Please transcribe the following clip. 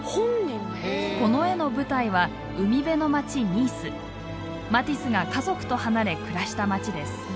この絵の舞台は海辺の町ニースマティスが家族と離れ暮らした町です。